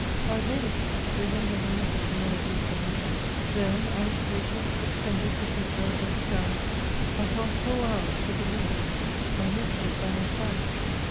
I had made a seat, resembling a nest> in one of these willows ; there, isolated, suspended between earth and sky, I passed whole hours with the linnets. My nymph was by my side.